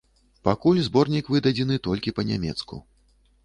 Пакуль зборнік выдадзены толькі па-нямецку.